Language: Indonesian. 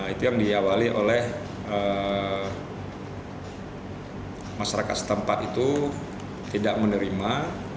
itu yang diawali oleh masyarakat setempat itu tidak menerima